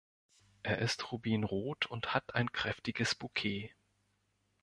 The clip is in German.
Er ist rubinrot und hat ein kräftiges Bukett.